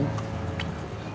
mereka kan udah balas dendam